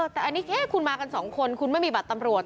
แต่คุณมากัน๒คนคุณไม่มีบัตรตำรวจ